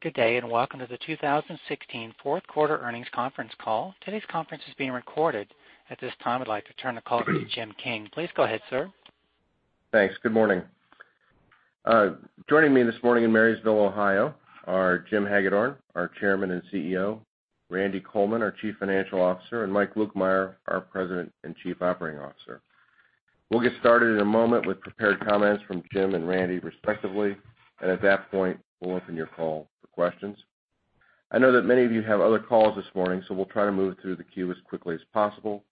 Good day, welcome to the 2016 fourth quarter earnings conference call. Today's conference is being recorded. At this time, I'd like to turn the call over to Jim King. Please go ahead, sir. Thanks. Good morning. Joining me this morning in Marysville, Ohio are Jim Hagedorn, our Chairman and CEO, Randy Coleman, our CFO, and Mike Lukemire, our President and COO. We'll get started in a moment with prepared comments from Jim and Randy respectively. At that point, we'll open your call for questions. I know that many of you have other calls this morning. We'll try to move through the queue as quickly as possible.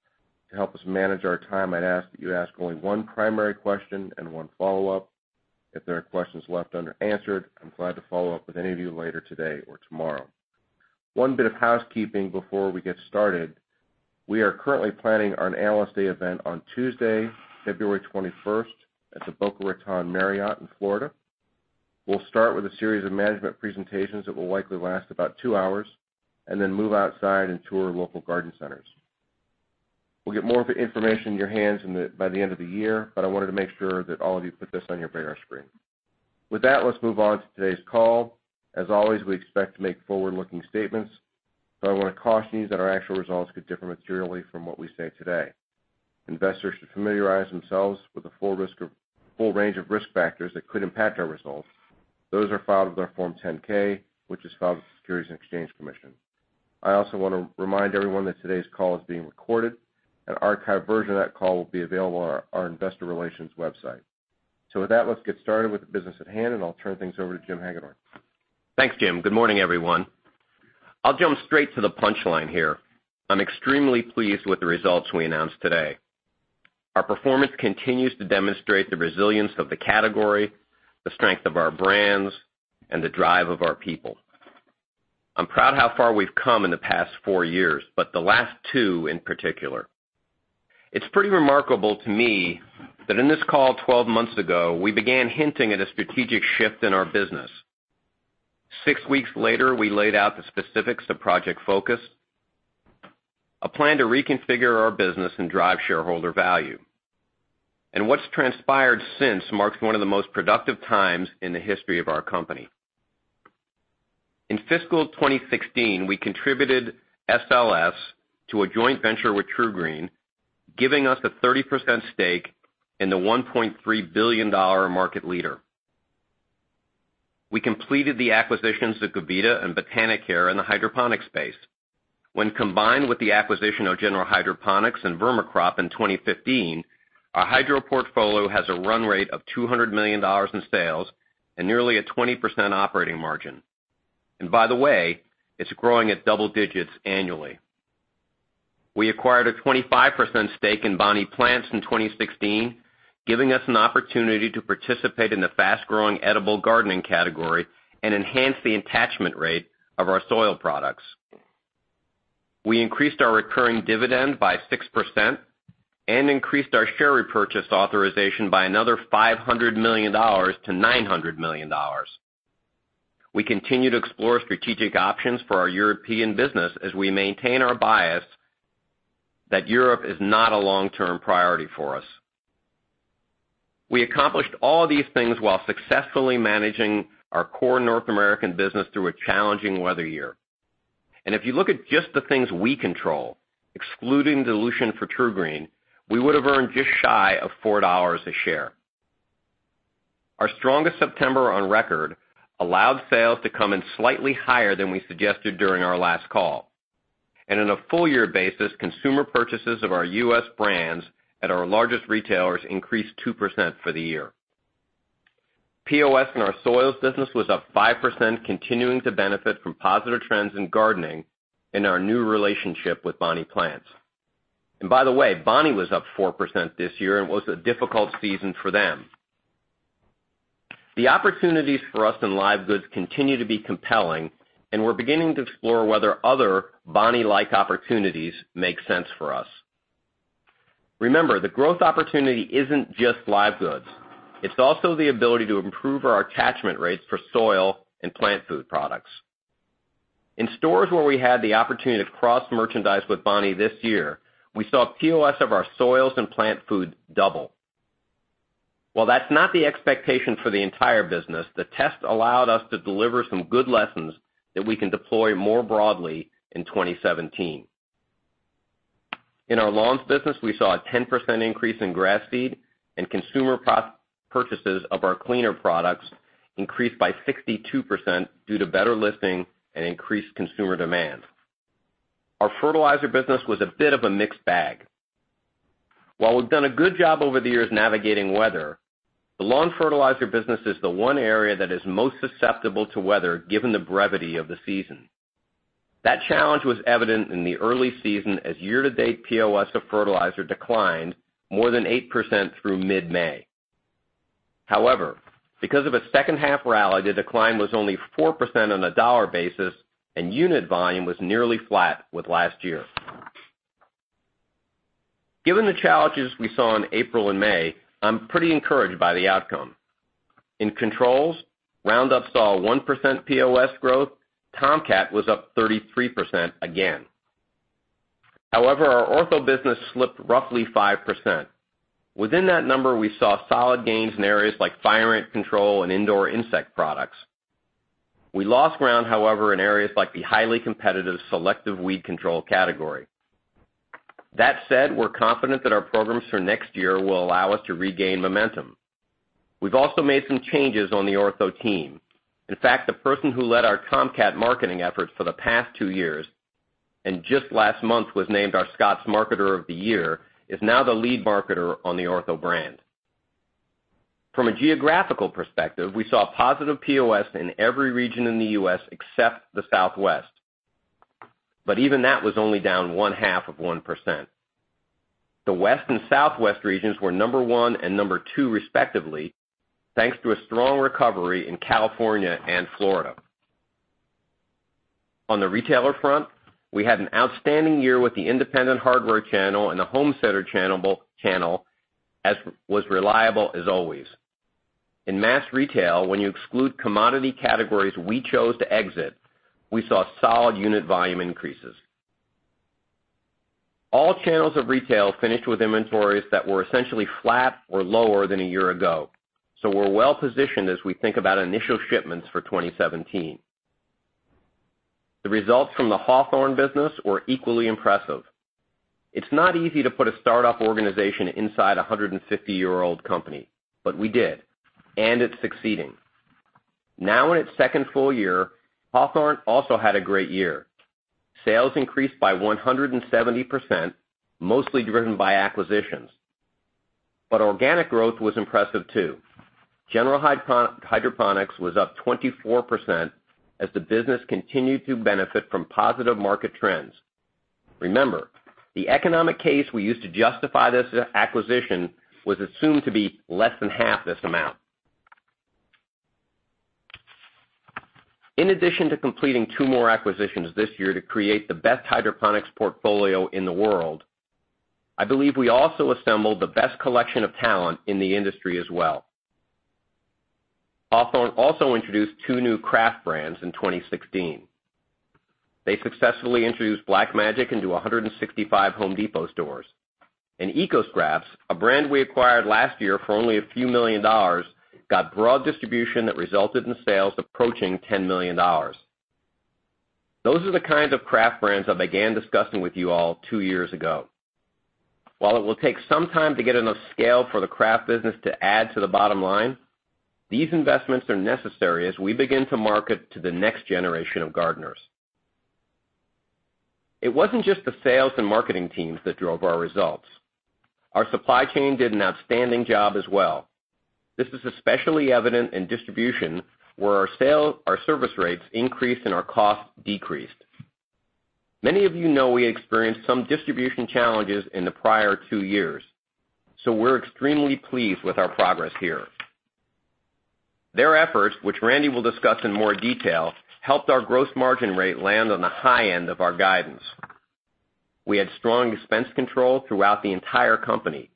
To help us manage our time, I'd ask that you ask only one primary question and one follow-up. If there are questions left unanswered, I'm glad to follow up with any of you later today or tomorrow. One bit of housekeeping before we get started. We are currently planning our Analyst Day event on Tuesday, February 21st at the Boca Raton Marriott in Florida. We'll start with a series of management presentations that will likely last about two hours. Then move outside and tour local garden centers. We'll get more of the information in your hands by the end of the year. I wanted to make sure that all of you put this on your radar screen. With that, let's move on to today's call. As always, we expect to make forward-looking statements. I want to caution you that our actual results could differ materially from what we say today. Investors should familiarize themselves with a full range of risk factors that could impact our results. Those are filed with our Form 10-K, which is filed with the Securities and Exchange Commission. I also want to remind everyone that today's call is being recorded. An archived version of that call will be available on our investor relations website. With that, let's get started with the business at hand. I'll turn things over to Jim Hagedorn. Thanks, Jim. Good morning, everyone. I'll jump straight to the punchline here. I'm extremely pleased with the results we announced today. Our performance continues to demonstrate the resilience of the category, the strength of our brands, and the drive of our people. I'm proud of how far we've come in the past four years, but the last two in particular. It's pretty remarkable to me that in this call 12 months ago, we began hinting at a strategic shift in our business. Six weeks later, we laid out the specifics of Project Focus, a plan to reconfigure our business and drive shareholder value. What's transpired since marks one of the most productive times in the history of our company. In fiscal 2016, we contributed SLS to a joint venture with TruGreen, giving us a 30% stake in the $1.3 billion market leader. We completed the acquisitions of Gavita and Botanicare in the hydroponics space. When combined with the acquisition of General Hydroponics and Vermicrop in 2015, our hydro portfolio has a run rate of $200 million in sales and nearly a 20% operating margin. By the way, it's growing at double digits annually. We acquired a 25% stake in Bonnie Plants in 2016, giving us an opportunity to participate in the fast-growing edible gardening category and enhance the attachment rate of our soil products. We increased our recurring dividend by 6% and increased our share repurchase authorization by another $500 million-$900 million. We continue to explore strategic options for our European business as we maintain our bias that Europe is not a long-term priority for us. We accomplished all these things while successfully managing our core North American business through a challenging weather year. If you look at just the things we control, excluding dilution for TruGreen, we would have earned just shy of $4 a share. Our strongest September on record allowed sales to come in slightly higher than we suggested during our last call. On a full year basis, consumer purchases of our U.S. brands at our largest retailers increased 2% for the year. POS in our soils business was up 5%, continuing to benefit from positive trends in gardening and our new relationship with Bonnie Plants. By the way, Bonnie was up 4% this year and was a difficult season for them. The opportunities for us in live goods continue to be compelling, and we're beginning to explore whether other Bonnie-like opportunities make sense for us. Remember, the growth opportunity isn't just live goods. It's also the ability to improve our attachment rates for soil and plant food products. In stores where we had the opportunity to cross-merchandise with Bonnie this year, we saw POS of our soils and plant food double. While that's not the expectation for the entire business, the test allowed us to deliver some good lessons that we can deploy more broadly in 2017. In our lawns business, we saw a 10% increase in grass seed and consumer purchases of our cleaner products increased by 62% due to better listing and increased consumer demand. Our fertilizer business was a bit of a mixed bag. While we've done a good job over the years navigating weather, the lawn fertilizer business is the one area that is most susceptible to weather, given the brevity of the season. That challenge was evident in the early season as year-to-date POS of fertilizer declined more than 8% through mid-May. Because of a second half rally, the decline was only 4% on a dollar basis and unit volume was nearly flat with last year. Given the challenges we saw in April and May, I'm pretty encouraged by the outcome. In controls, Roundup saw 1% POS growth. Tomcat was up 33% again. Our Ortho business slipped roughly 5%. Within that number, we saw solid gains in areas like fire ant control and indoor insect products. We lost ground, however, in areas like the highly competitive selective weed control category. That said, we're confident that our programs for next year will allow us to regain momentum. We've also made some changes on the Ortho team. In fact, the person who led our Tomcat marketing efforts for the past 2 years, and just last month was named our Scotts Marketer of the Year, is now the lead marketer on the Ortho brand. From a geographical perspective, we saw positive POS in every region in the U.S. except the Southwest, but even that was only down one-half of 1%. The West and Southwest regions were number 1 and number 2 respectively, thanks to a strong recovery in California and Florida. On the retailer front, we had an outstanding year with the independent hardware channel. The home center channel was reliable as always. In mass retail, when you exclude commodity categories we chose to exit, we saw solid unit volume increases. All channels of retail finished with inventories that were essentially flat or lower than a year ago. We're well-positioned as we think about initial shipments for 2017. The results from the Hawthorne business were equally impressive. It's not easy to put a startup organization inside 150-year-old company. We did, and it's succeeding. Now in its second full year, Hawthorne also had a great year. Sales increased by 170%, mostly driven by acquisitions. Organic growth was impressive, too. General Hydroponics was up 24% as the business continued to benefit from positive market trends. Remember, the economic case we used to justify this acquisition was assumed to be less than half this amount. In addition to completing 2 more acquisitions this year to create the best hydroponics portfolio in the world, I believe we also assembled the best collection of talent in the industry as well. Hawthorne also introduced 2 new craft brands in 2016. They successfully introduced Black Magic into 165 Home Depot stores. EcoScraps, a brand we acquired last year for only a few million dollars, got broad distribution that resulted in sales approaching $10 million. Those are the kinds of craft brands I began discussing with you all 2 years ago. While it will take some time to get enough scale for the craft business to add to the bottom line, these investments are necessary as we begin to market to the next generation of gardeners. It wasn't just the sales and marketing teams that drove our results. Our supply chain did an outstanding job as well. This is especially evident in distribution, where our service rates increased. Our costs decreased. Many of you know we experienced some distribution challenges in the prior 2 years. We're extremely pleased with our progress here. Their efforts, which Randy Coleman will discuss in more detail, helped our gross margin rate land on the high end of our guidance. We had strong expense control throughout the entire company.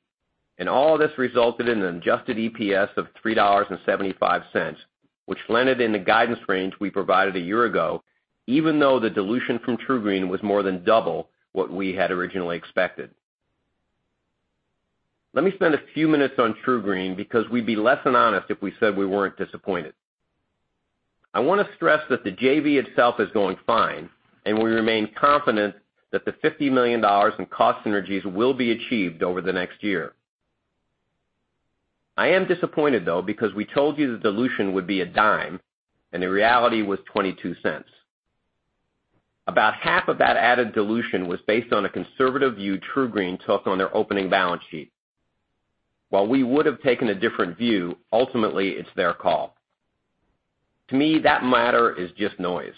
All of this resulted in an adjusted EPS of $3.75, which landed in the guidance range we provided a year ago, even though the dilution from TruGreen was more than double what we had originally expected. Let me spend a few minutes on TruGreen, because we'd be less than honest if we said we weren't disappointed. I want to stress that the JV itself is going fine, and we remain confident that the $50 million in cost synergies will be achieved over the next year. I am disappointed, though, because we told you the dilution would be $0.10, and the reality was $0.22. About half of that added dilution was based on a conservative view TruGreen took on their opening balance sheet. While we would have taken a different view, ultimately, it's their call. To me, that matter is just noise.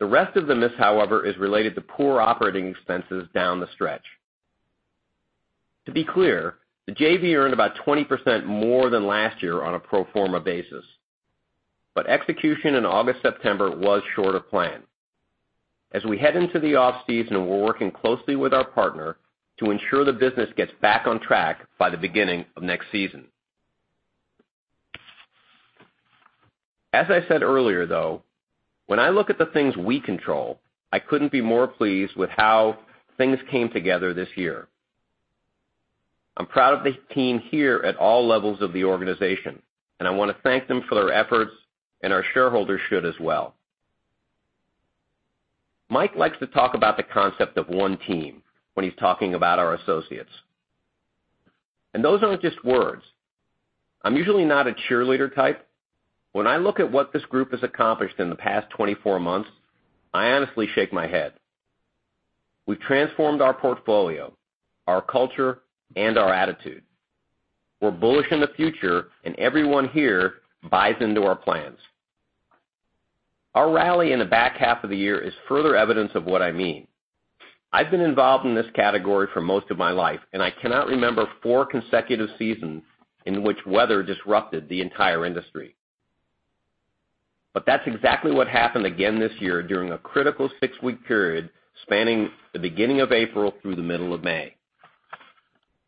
The rest of the miss, however, is related to poor operating expenses down the stretch. To be clear, the JV earned about 20% more than last year on a pro forma basis. Execution in August, September was short of plan. As we head into the off-season, we're working closely with our partner to ensure the business gets back on track by the beginning of next season. As I said earlier, though, when I look at the things we control, I couldn't be more pleased with how things came together this year. I'm proud of the team here at all levels of the organization. I want to thank them for their efforts, and our shareholders should as well. Mike Lukemire likes to talk about the concept of one team when he's talking about our associates. Those aren't just words. I'm usually not a cheerleader type. When I look at what this group has accomplished in the past 24 months, I honestly shake my head. We've transformed our portfolio, our culture, and our attitude. We're bullish in the future. Everyone here buys into our plans. Our rally in the back half of the year is further evidence of what I mean. I've been involved in this category for most of my life, and I cannot remember four consecutive seasons in which weather disrupted the entire industry. That's exactly what happened again this year during a critical six-week period spanning the beginning of April through the middle of May.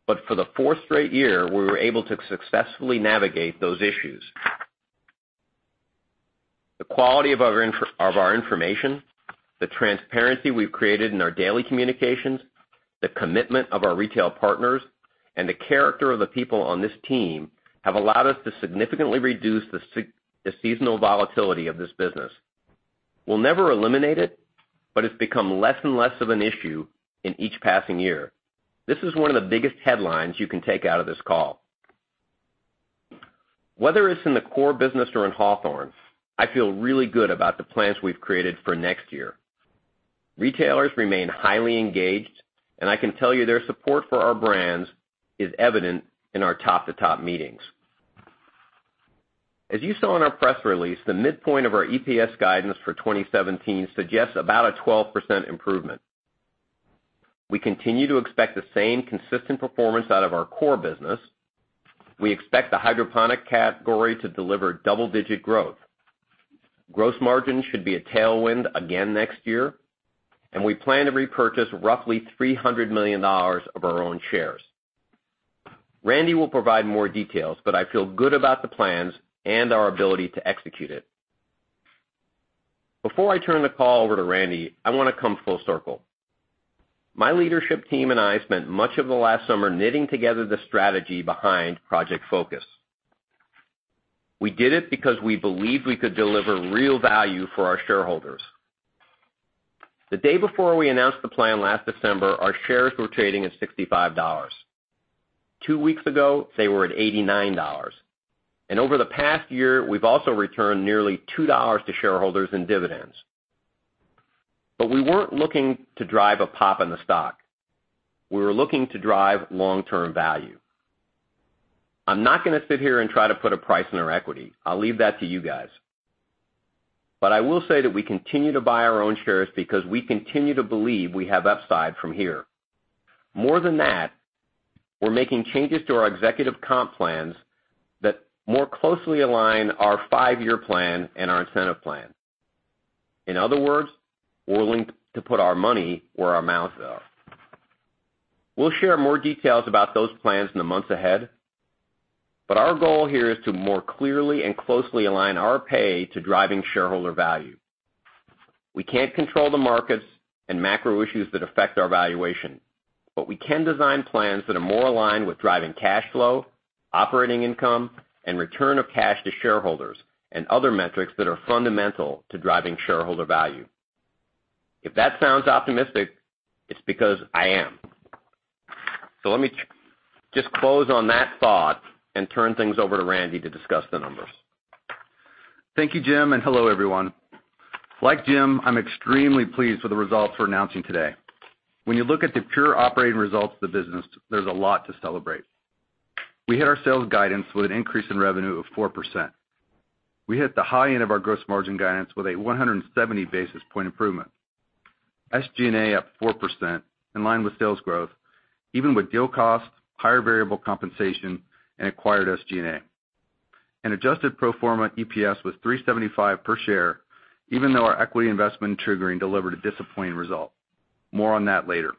For the fourth straight year, we were able to successfully navigate those issues. The quality of our information, the transparency we've created in our daily communications, the commitment of our retail partners, and the character of the people on this team have allowed us to significantly reduce the seasonal volatility of this business. We'll never eliminate it. It's become less and less of an issue in each passing year. This is one of the biggest headlines you can take out of this call. Whether it's in the core business or in Hawthorne, I feel really good about the plans we've created for next year. Retailers remain highly engaged. I can tell you their support for our brands is evident in our top-to-top meetings. As you saw in our press release, the midpoint of our EPS guidance for 2017 suggests about a 12% improvement. We continue to expect the same consistent performance out of our core business. We expect the hydroponic category to deliver double-digit growth. Gross margin should be a tailwind again next year, and we plan to repurchase roughly $300 million of our own shares. Randy will provide more details, but I feel good about the plans and our ability to execute it. Before I turn the call over to Randy, I want to come full circle. My leadership team and I spent much of the last summer knitting together the strategy behind Project Focus. We did it because we believed we could deliver real value for our shareholders. The day before we announced the plan last December, our shares were trading at $65. Two weeks ago, they were at $89. Over the past year, we've also returned nearly $2 to shareholders in dividends. We weren't looking to drive a pop in the stock. We were looking to drive long-term value. I'm not going to sit here and try to put a price on our equity. I'll leave that to you guys. I will say that we continue to buy our own shares because we continue to believe we have upside from here. More than that, we're making changes to our executive comp plans that more closely align our five-year plan and our incentive plan. In other words, we're willing to put our money where our mouths are. We'll share more details about those plans in the months ahead. Our goal here is to more clearly and closely align our pay to driving shareholder value. We can't control the markets and macro issues that affect our valuation, but we can design plans that are more aligned with driving cash flow, operating income, and return of cash to shareholders and other metrics that are fundamental to driving shareholder value. If that sounds optimistic, it's because I am. Let me just close on that thought and turn things over to Randy to discuss the numbers. Thank you, Jim, and hello, everyone. Like Jim, I'm extremely pleased with the results we're announcing today. When you look at the pure operating results of the business, there's a lot to celebrate. We hit our sales guidance with an increase in revenue of 4%. We hit the high end of our gross margin guidance with a 170 basis point improvement. SG&A up 4%, in line with sales growth, even with deal costs, higher variable compensation, and acquired SG&A. Adjusted pro forma EPS was $3.75 per share, even though our equity investment triggering delivered a disappointing result. More on that later.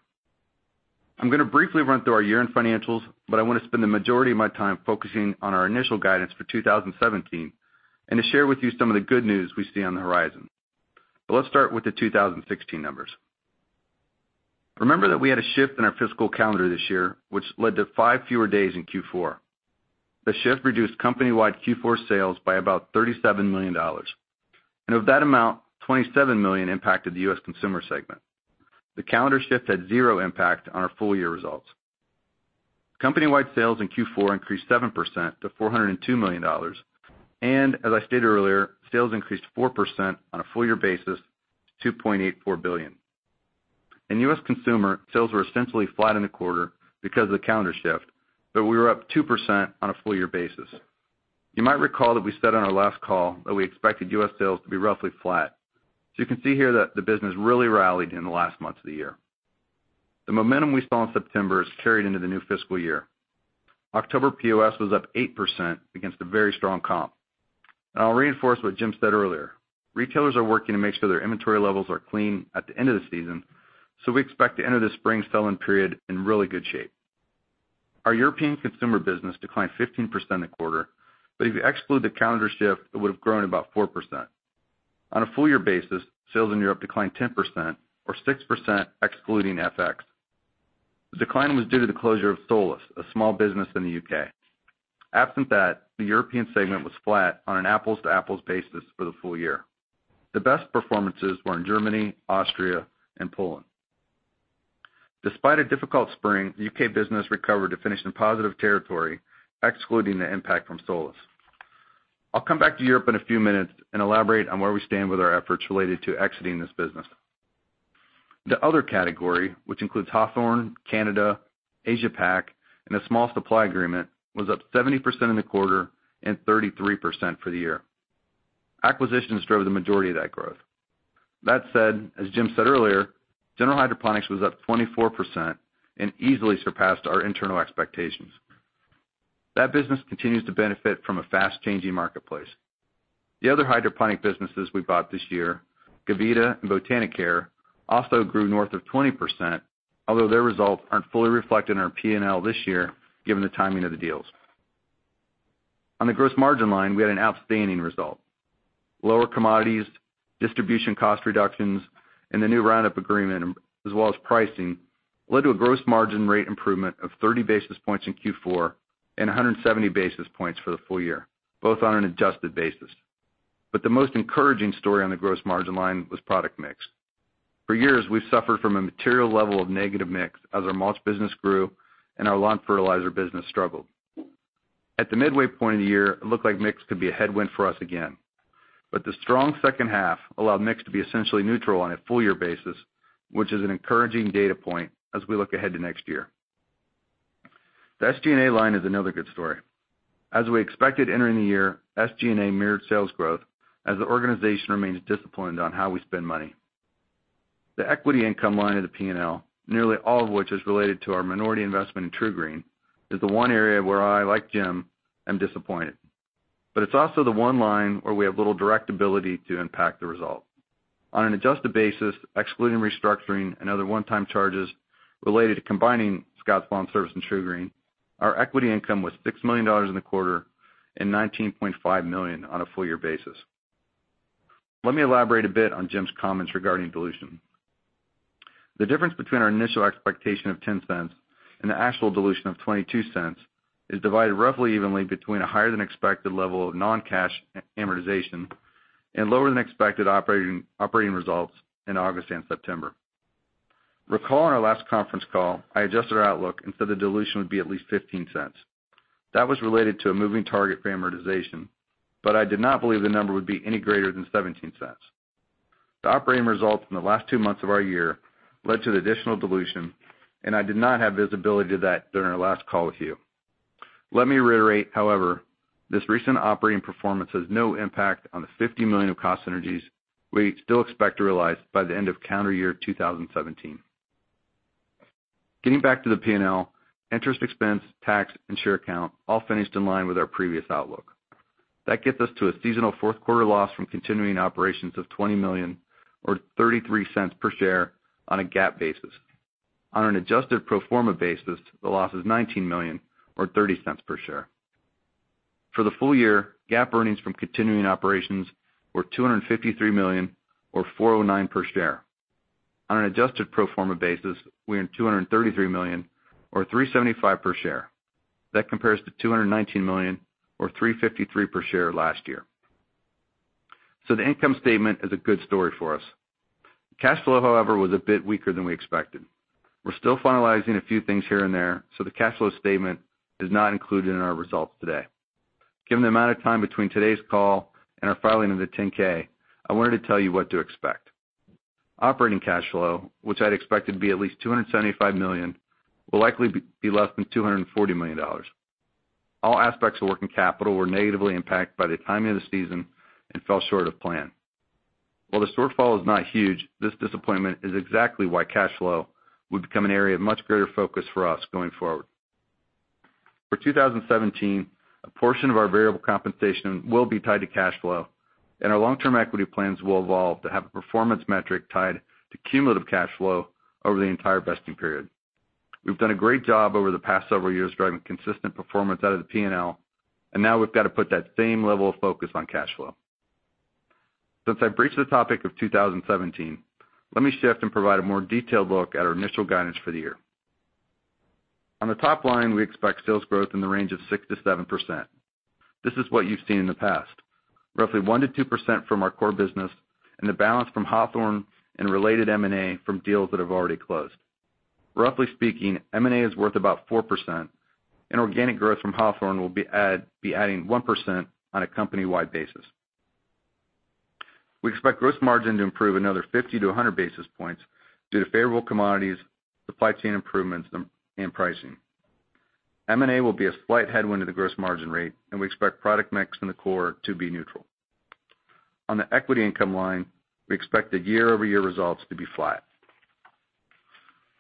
I'm going to briefly run through our year-end financials, I want to spend the majority of my time focusing on our initial guidance for 2017 and to share with you some of the good news we see on the horizon. Let's start with the 2016 numbers. Remember that we had a shift in our fiscal calendar this year, which led to five fewer days in Q4. The shift reduced company-wide Q4 sales by about $37 million. Of that amount, $27 million impacted the U.S. consumer segment. The calendar shift had zero impact on our full-year results. Company-wide sales in Q4 increased 7% to $402 million. As I stated earlier, sales increased 4% on a full-year basis to $2.84 billion. In U.S. consumer, sales were essentially flat in the quarter because of the calendar shift, but we were up 2% on a full-year basis. You might recall that we said on our last call that we expected U.S. sales to be roughly flat. You can see here that the business really rallied in the last months of the year. The momentum we saw in September has carried into the new fiscal year. October POS was up 8% against a very strong comp. I'll reinforce what Jim said earlier. Retailers are working to make sure their inventory levels are clean at the end of the season. We expect to enter the spring selling period in really good shape. Our European consumer business declined 15% in the quarter, but if you exclude the calendar shift, it would have grown about 4%. On a full-year basis, sales in Europe declined 10%, or 6% excluding FX. The decline was due to the closure of Solus, a small business in the U.K. Absent that, the European segment was flat on an apples-to-apples basis for the full year. The best performances were in Germany, Austria, and Poland. Despite a difficult spring, the U.K. business recovered to finish in positive territory, excluding the impact from Solus. I'll come back to Europe in a few minutes and elaborate on where we stand with our efforts related to exiting this business. The other category, which includes Hawthorne, Canada, Asia Pac, and a small supply agreement, was up 70% in the quarter and 33% for the year. Acquisitions drove the majority of that growth. That said, as Jim said earlier, General Hydroponics was up 24% and easily surpassed our internal expectations. That business continues to benefit from a fast-changing marketplace. The other hydroponic businesses we bought this year, Gavita and Botanicare, also grew north of 20%. Although their results aren't fully reflected in our P&L this year, given the timing of the deals. On the gross margin line, we had an outstanding result. Lower commodities, distribution cost reductions, and the new Roundup agreement, as well as pricing, led to a gross margin rate improvement of 30 basis points in Q4 and 170 basis points for the full year, both on an adjusted basis. The most encouraging story on the gross margin line was product mix. For years, we've suffered from a material level of negative mix as our mulch business grew and our lawn fertilizer business struggled. At the midway point of the year, it looked like mix could be a headwind for us again. The strong second half allowed mix to be essentially neutral on a full year basis, which is an encouraging data point as we look ahead to next year. The SG&A line is another good story. As we expected entering the year, SG&A mirrored sales growth as the organization remains disciplined on how we spend money. The equity income line of the P&L, nearly all of which is related to our minority investment in TruGreen, is the one area where I, like Jim, am disappointed. It's also the one line where we have little direct ability to impact the result. On an adjusted basis, excluding restructuring and other one-time charges related to combining Scotts LawnService and TruGreen, our equity income was $6 million in the quarter and $19.5 million on a full year basis. Let me elaborate a bit on Jim's comments regarding dilution. The difference between our initial expectation of $0.10 and the actual dilution of $0.22 is divided roughly evenly between a higher than expected level of non-cash amortization and lower than expected operating results in August and September. Recall on our last conference call, I adjusted our outlook and said the dilution would be at least $0.15. That was related to a moving target for amortization. I did not believe the number would be any greater than $0.17. The operating results in the last two months of our year led to the additional dilution. I did not have visibility to that during our last call with you. Let me reiterate, however, this recent operating performance has no impact on the $50 million of cost synergies we still expect to realize by the end of calendar year 2017. Getting back to the P&L, interest expense, tax, and share count all finished in line with our previous outlook. That gets us to a seasonal fourth quarter loss from continuing operations of $20 million or $0.33 per share on a GAAP basis. On an adjusted pro forma basis, the loss is $19 million or $0.30 per share. For the full year, GAAP earnings from continuing operations were $253 million or $4.09 per share. On an adjusted pro forma basis, we earned $233 million or $3.75 per share. That compares to $219 million or $3.53 per share last year. The income statement is a good story for us. Cash flow, however, was a bit weaker than we expected. We're still finalizing a few things here and there, so the cash flow statement is not included in our results today. Given the amount of time between today's call and our filing of the 10-K, I wanted to tell you what to expect. Operating cash flow, which I'd expected to be at least $275 million, will likely be less than $240 million. All aspects of working capital were negatively impacted by the timing of the season and fell short of plan. While the shortfall is not huge, this disappointment is exactly why cash flow will become an area of much greater focus for us going forward. For 2017, a portion of our variable compensation will be tied to cash flow, and our long-term equity plans will evolve to have a performance metric tied to cumulative cash flow over the entire vesting period. We've done a great job over the past several years driving consistent performance out of the P&L. Now we've got to put that same level of focus on cash flow. I've breached the topic of 2017, let me shift and provide a more detailed look at our initial guidance for the year. On the top line, we expect sales growth in the range of 6%-7%. This is what you've seen in the past. Roughly 1%-2% from our core business and the balance from Hawthorne and related M&A from deals that have already closed. Roughly speaking, M&A is worth about 4%, and organic growth from Hawthorne will be adding 1% on a company-wide basis. We expect gross margin to improve another 50-100 basis points due to favorable commodities, supply chain improvements, and pricing. M&A will be a slight headwind to the gross margin rate, and we expect product mix in the core to be neutral. On the equity income line, we expect the year-over-year results to be flat.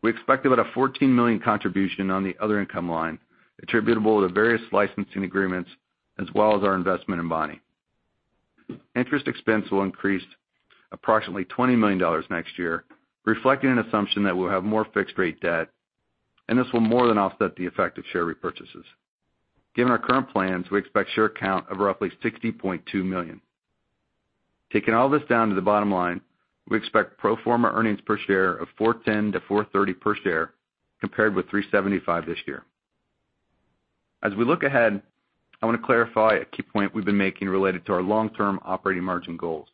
We expect about a $14 million contribution on the other income line attributable to various licensing agreements as well as our investment in Bonnie. Interest expense will increase approximately $20 million next year, reflecting an assumption that we'll have more fixed rate debt. This will more than offset the effect of share repurchases. Given our current plans, we expect share count of roughly 60.2 million. Taking all this down to the bottom line, we expect pro forma earnings per share of $4.10-$4.30 per share compared with $3.75 this year. As we look ahead, I want to clarify a key point we've been making related to our long-term operating margin goals.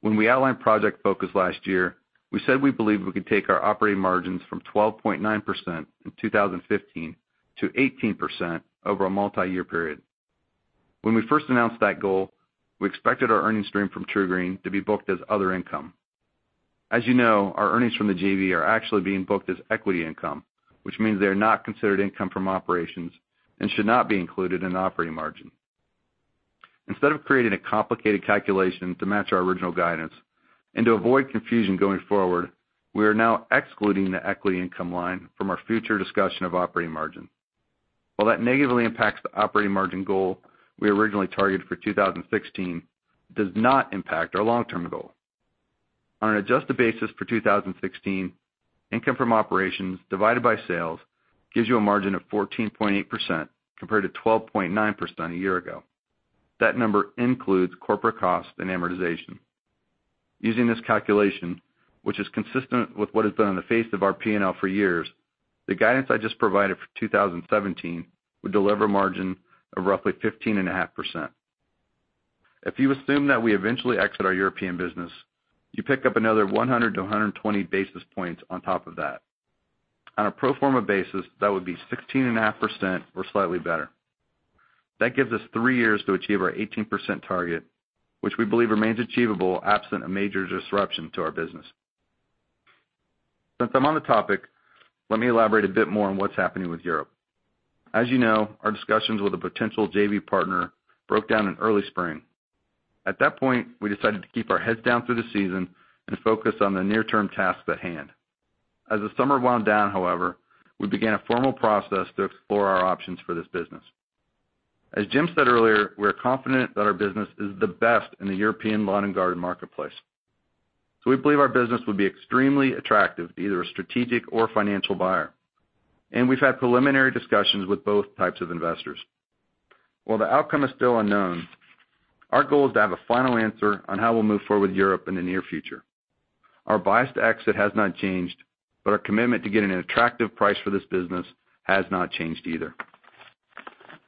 When we outlined Project Focus last year, we said we believe we could take our operating margins from 12.9% in 2015 to 18% over a multi-year period. When we first announced that goal, we expected our earnings stream from TruGreen to be booked as other income. As you know, our earnings from the JV are actually being booked as equity income, which means they are not considered income from operations and should not be included in operating margin. Instead of creating a complicated calculation to match our original guidance and to avoid confusion going forward, we are now excluding the equity income line from our future discussion of operating margin. While that negatively impacts the operating margin goal we originally targeted for 2016, it does not impact our long-term goal. On an adjusted basis for 2016, income from operations divided by sales gives you a margin of 14.8% compared to 12.9% a year ago. That number includes corporate costs and amortization. Using this calculation, which is consistent with what has been on the face of our P&L for years, the guidance I just provided for 2017 would deliver a margin of roughly 15.5%. If you assume that we eventually exit our European business, you pick up another 100-120 basis points on top of that. On a pro forma basis, that would be 16.5% or slightly better. That gives us three years to achieve our 18% target, which we believe remains achievable absent a major disruption to our business. Since I'm on the topic, let me elaborate a bit more on what's happening with Europe. As you know, our discussions with a potential JV partner broke down in early spring. At that point, we decided to keep our heads down through the season and focus on the near-term tasks at hand. As the summer wound down, however, we began a formal process to explore our options for this business. As Jim said earlier, we're confident that our business is the best in the European lawn and garden marketplace. We believe our business would be extremely attractive to either a strategic or financial buyer, we've had preliminary discussions with both types of investors. While the outcome is still unknown, our goal is to have a final answer on how we'll move forward with Europe in the near future. Our bias to exit has not changed, our commitment to getting an attractive price for this business has not changed either.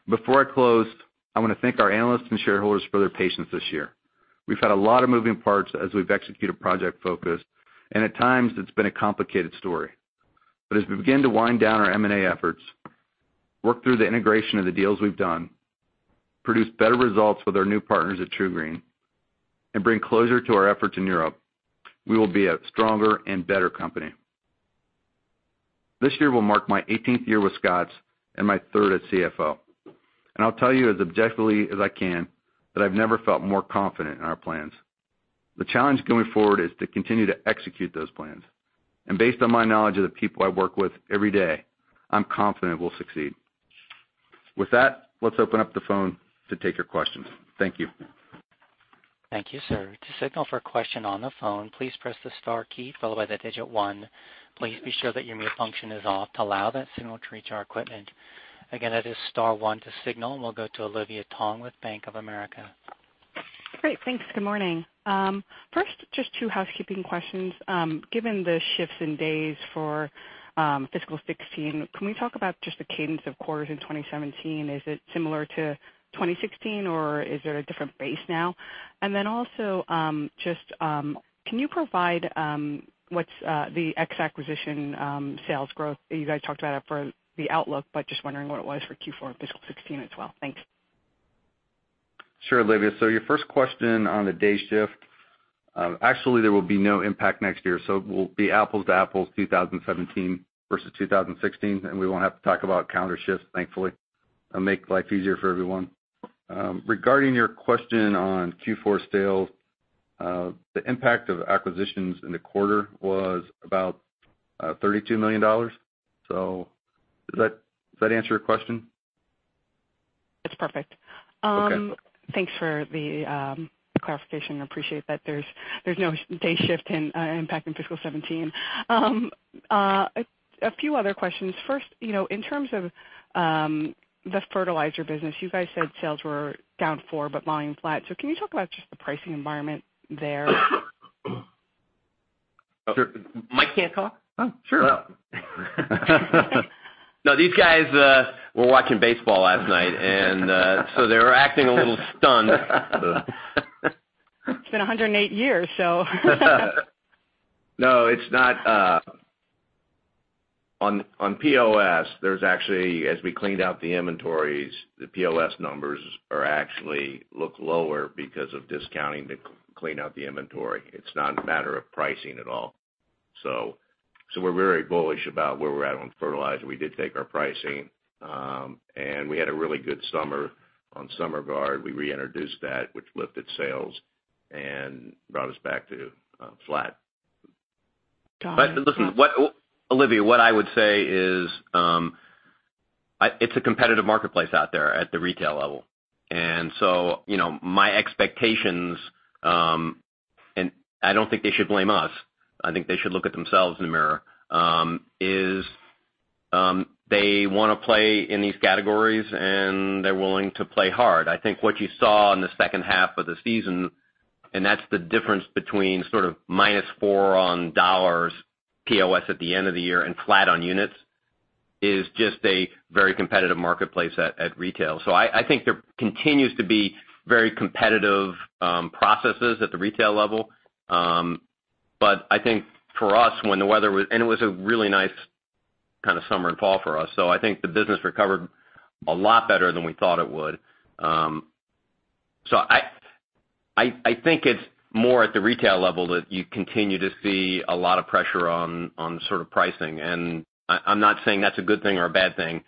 Before I close, I want to thank our analysts and shareholders for their patience this year. We've had a lot of moving parts as we've executed Project Focus, at times it's been a complicated story. As we begin to wind down our M&A efforts, work through the integration of the deals we've done, produce better results with our new partners at TruGreen, bring closure to our efforts in Europe, we will be a stronger and better company. This year will mark my 18th year with Scotts and my third as CFO, I'll tell you as objectively as I can that I've never felt more confident in our plans. The challenge going forward is to continue to execute those plans, based on my knowledge of the people I work with every day, I'm confident we'll succeed. With that, let's open up the phone to take your questions. Thank you. Thank you, sir. To signal for a question on the phone, please press the star key followed by the digit 1. Please be sure that your mute function is off to allow that signal to reach our equipment. Again, that is star 1 to signal, we'll go to Olivia Tong with Bank of America. Great. Thanks. Good morning. First, just two housekeeping questions. Given the shifts in days for fiscal 2016, can we talk about just the cadence of quarters in 2017? Is it similar to 2016, or is there a different base now? Also, can you provide what's the ex acquisition sales growth? You guys talked about it for the outlook, but just wondering what it was for Q4 fiscal 2016 as well. Thanks. Your first question on the day shift, actually, there will be no impact next year, so it will be apples to apples 2017 versus 2016, and we won't have to talk about calendar shifts, thankfully. That'll make life easier for everyone. Regarding your question on Q4 sales, the impact of acquisitions in the quarter was about $32 million. Does that answer your question? It's perfect. Okay. Thanks for the clarification. Appreciate that there's no day shift impact in fiscal 2017. A few other questions. First, in terms of the fertilizer business, you guys said sales were down four but volume's flat. Can you talk about just the pricing environment there? Sure. Mike can talk. Oh, sure. No, these guys were watching baseball last night, and so they were acting a little stunned. It's been 108 years. No, it's not. On POS, as we cleaned out the inventories, the POS numbers actually look lower because of discounting to clean out the inventory. It's not a matter of pricing at all. We're very bullish about where we're at on fertilizer. We did take our pricing, and we had a really good summer on SummerGuard. We reintroduced that, which lifted sales and brought us back to flat. Got it. Listen, Olivia, what I would say is it's a competitive marketplace out there at the retail level. My expectations, and I don't think they should blame us, I think they should look at themselves in the mirror, is they want to play in these categories, and they're willing to play hard. I think what you saw in the second half of the season, and that's the difference between sort of -4 on $ POS at the end of the year and flat on units, is just a very competitive marketplace at retail. I think there continues to be very competitive processes at the retail level. I think for us, and it was a really nice kind of summer and fall for us. I think the business recovered a lot better than we thought it would. I think it's more at the retail level that you continue to see a lot of pressure on sort of pricing. I'm not saying that's a good thing or a bad thing.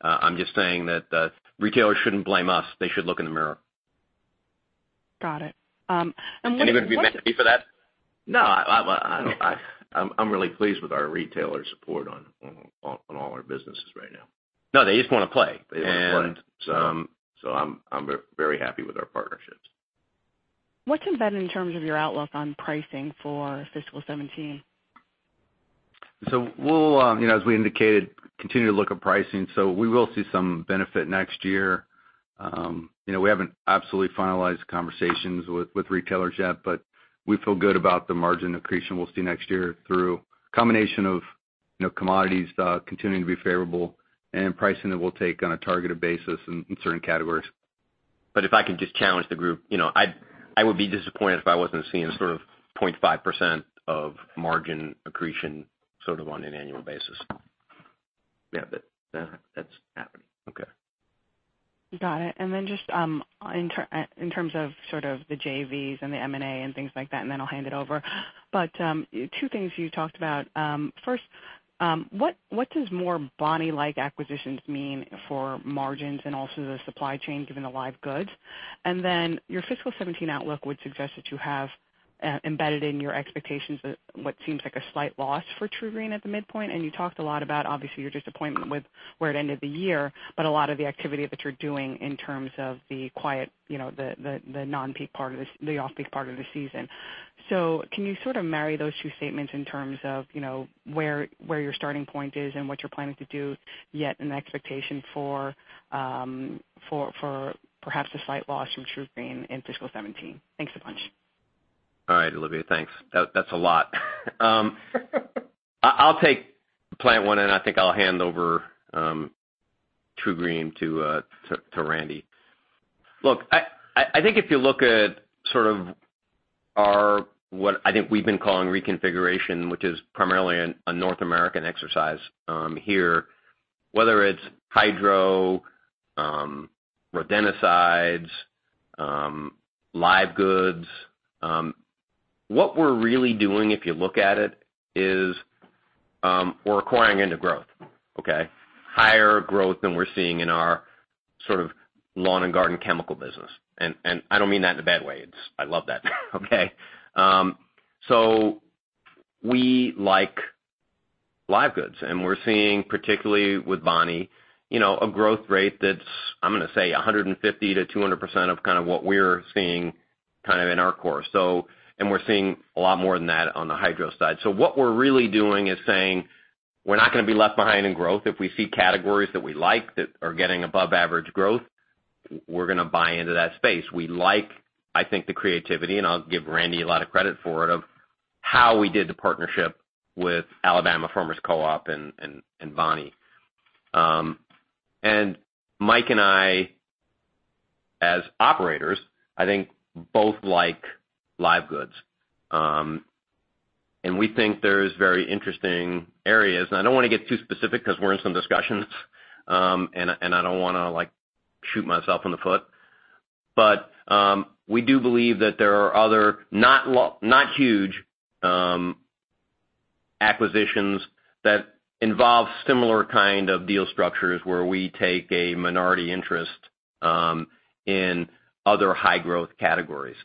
I'm just saying that retailers shouldn't blame us. They should look in the mirror. Got it. Would it be meant to be for that? No, I'm really pleased with our retailer support on all our businesses right now. No, they just want to play. I'm very happy with our partnerships. What's embedded in terms of your outlook on pricing for fiscal 2017? We'll, as we indicated, continue to look at pricing. We will see some benefit next year. We haven't absolutely finalized conversations with retailers yet, but we feel good about the margin accretion we'll see next year through combination of commodities continuing to be favorable and pricing that we'll take on a targeted basis in certain categories. If I could just challenge the group, I would be disappointed if I wasn't seeing sort of 0.5% of margin accretion, sort of on an annual basis. That's happening. Okay. Got it. Then just, in terms of sort of the JVs and the M&A and things like that, then I'll hand it over. Two things you talked about. First, what does more Bonnie-like acquisitions mean for margins and also the supply chain, given the live goods? Then your fiscal 2017 outlook would suggest that you have embedded in your expectations what seems like a slight loss for TruGreen at the midpoint. You talked a lot about obviously your disappointment with where it ended the year, but a lot of the activity that you're doing in terms of the quiet, the off-peak part of the season. Can you sort of marry those two statements in terms of where your starting point is and what you're planning to do, yet an expectation for perhaps a slight loss from TruGreen in fiscal 2017? Thanks a bunch. All right, Olivia. Thanks. That's a lot. I'll take Plant one, and I think I'll hand over TruGreen to Randy. Look, I think if you look at sort of our, what I think we've been calling reconfiguration, which is primarily a North American exercise here. Whether it's hydro, rodenticides, live goods, what we're really doing, if you look at it, is we're acquiring into growth. Okay? Higher growth than we're seeing in our sort of lawn and garden chemical business. I don't mean that in a bad way. I love that. Okay? We like live goods and we're seeing, particularly with Bonnie, a growth rate that's, I'm going to say 150%-200% of kind of what we're seeing kind of in our core. We're seeing a lot more than that on the hydro side. What we're really doing is saying we're not going to be left behind in growth. If we see categories that we like that are getting above average growth, we're going to buy into that space. We like, I think, the creativity, and I'll give Randy a lot of credit for it, of how we did the partnership with Alabama Farmers Cooperative and Bonnie. Mike and I as operators, I think both like live goods. We think there's very interesting areas, and I don't want to get too specific because we're in some discussions, and I don't want to shoot myself in the foot. We do believe that there are other, not huge, acquisitions that involve similar kind of deal structures where we take a minority interest in other high growth categories.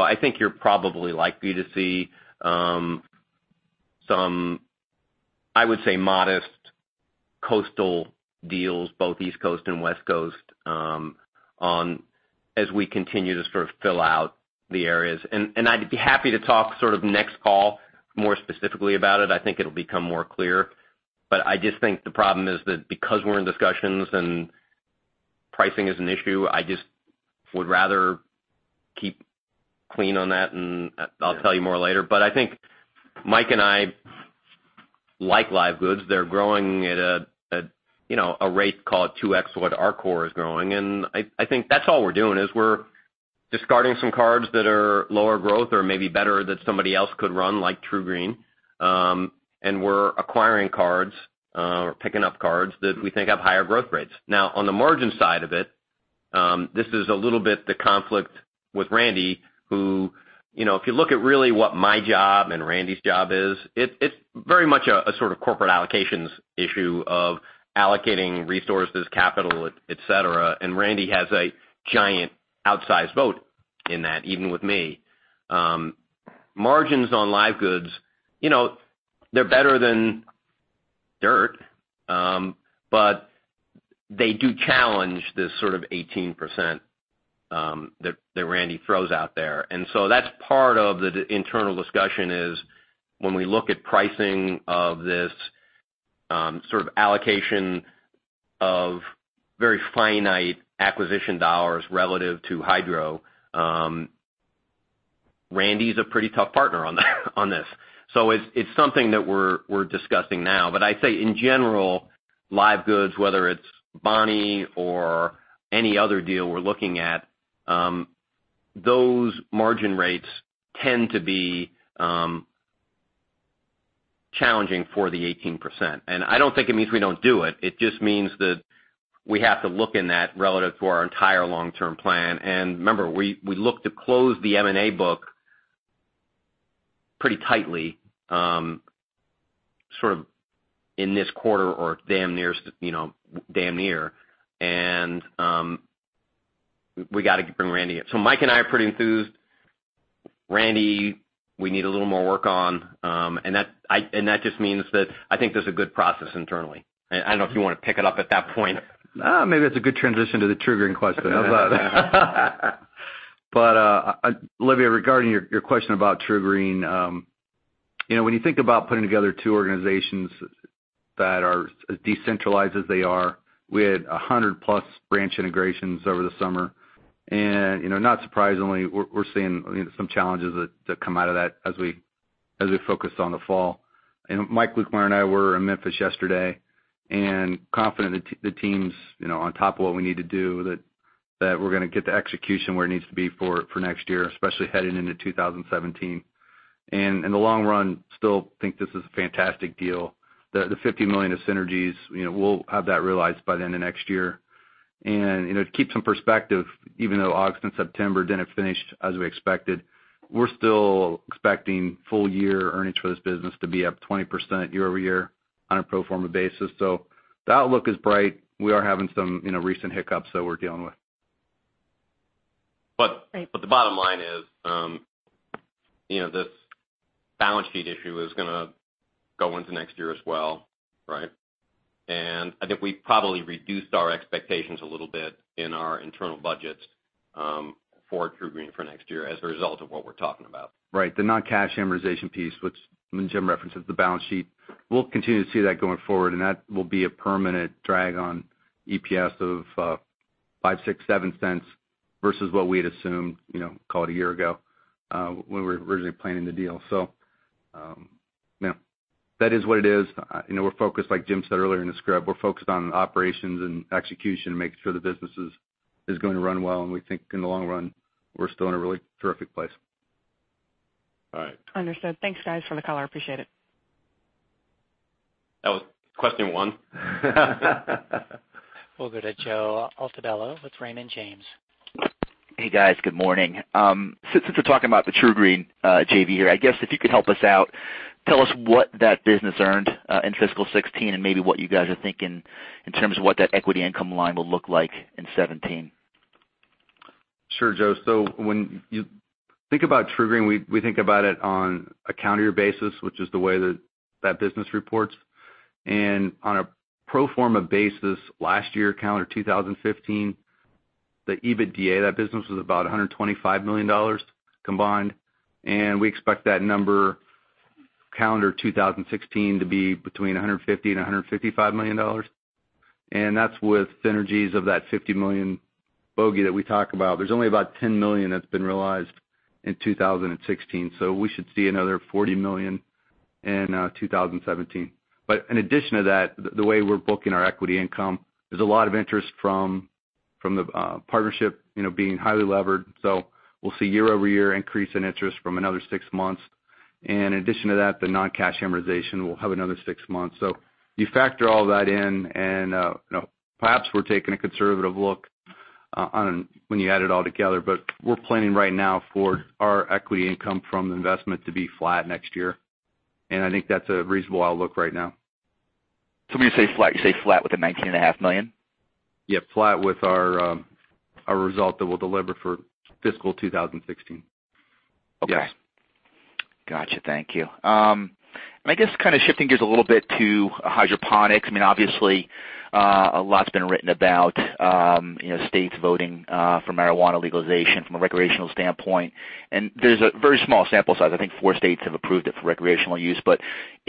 I think you're probably likely to see some, I would say modest coastal deals, both East Coast and West Coast as we continue to sort of fill out the areas. I'd be happy to talk sort of next call more specifically about it. I think it'll become more clear. I just think the problem is that because we're in discussions and pricing is an issue, I just would rather keep clean on that and I'll tell you more later. I think Mike and I like live goods. They're growing at a rate, call it 2X what our core is growing. I think that's all we're doing is we're discarding some cards that are lower growth or maybe better that somebody else could run, like TruGreen. We're acquiring cards, or picking up cards that we think have higher growth rates. On the margin side of it, this is a little bit the conflict with Randy, who if you look at really what my job and Randy's job is, it's very much a sort of corporate allocations issue of allocating resources, capital, et cetera. Randy has a giant outsized vote in that, even with me. Margins on live goods, they're better than dirt, but they do challenge this sort of 18% that Randy throws out there. That's part of the internal discussion is when we look at pricing of this sort of allocation of very finite acquisition dollars relative to hydro, Randy's a pretty tough partner on this. It's something that we're discussing now. I'd say in general, live goods, whether it's Bonnie or any other deal we're looking at, those margin rates tend to be challenging for the 18%. I don't think it means we don't do it. It just means that we have to look in that relative to our entire long-term plan. Remember, we look to close the M&A book pretty tightly, sort of in this quarter or damn near. We got to bring Randy in. Mike and I are pretty enthused. Randy, we need a little more work on. That just means that I think there's a good process internally. I don't know if you want to pick it up at that point. Maybe that's a good transition to the TruGreen question. How's that? Olivia, regarding your question about TruGreen, when you think about putting together two organizations that are as decentralized as they are, we had 100+ branch integrations over the summer. Not surprisingly, we're seeing some challenges that come out of that as we focus on the fall. Mike Lukemire and I were in Memphis yesterday and confident the team's on top of what we need to do, that we're going to get the execution where it needs to be for next year, especially heading into 2017. In the long run, still think this is a fantastic deal. The $50 million of synergies, we'll have that realized by the end of next year. To keep some perspective, even though August and September didn't finish as we expected, we're still expecting full year earnings for this business to be up 20% year-over-year on a pro forma basis. The outlook is bright. We are having some recent hiccups that we're dealing with. The bottom line is, this balance sheet issue is going to go into next year as well, right? I think we probably reduced our expectations a little bit in our internal budgets for TruGreen for next year as a result of what we're talking about. Right. The non-cash amortization piece, which Jim references the balance sheet, we'll continue to see that going forward, and that will be a permanent drag on EPS of $0.05, $0.06, $0.07 versus what we had assumed call it a year ago, when we were originally planning the deal. That is what it is. We're focused, like Jim said earlier in the script, we're focused on operations and execution and making sure the business is going to run well, and we think in the long run, we're still in a really terrific place. All right. Understood. Thanks, guys, for the color. I appreciate it. That was question one. We'll go to Joe Altobello with Raymond James. Hey, guys. Good morning. Since we're talking about the TruGreen JV here, I guess if you could help us out, tell us what that business earned in fiscal 2016 and maybe what you guys are thinking in terms of what that equity income line will look like in 2017. Sure, Joe. When you think about TruGreen, we think about it on a calendar year basis, which is the way that that business reports. On a pro forma basis last year, calendar 2015, the EBITDA, that business was about $125 million combined, we expect that number calendar 2016 to be between $150 million-$155 million. That's with synergies of that $50 million bogey that we talk about. There's only about $10 million that's been realized in 2016, so we should see another $40 million in 2017. In addition to that, the way we're booking our equity income, there's a lot of interest from the partnership being highly levered. We'll see year-over-year increase in interest from another six months. In addition to that, the non-cash amortization will have another six months. You factor all that in and perhaps we're taking a conservative look when you add it all together, but we're planning right now for our equity income from investment to be flat next year. I think that's a reasonable outlook right now. When you say flat, you say flat with the $19.5 million? Yeah, flat with our result that we'll deliver for fiscal 2016. Okay. Yes. Got you. Thank you. I guess kind of shifting gears a little bit to hydroponics. I mean, obviously, a lot's been written about states voting for marijuana legalization from a recreational standpoint, and there's a very small sample size. I think four states have approved it for recreational use.